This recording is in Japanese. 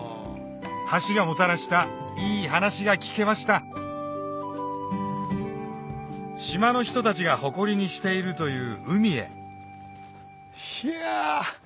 橋がもたらしたいい話が聞けました島の人たちが誇りにしているという海へひゃ！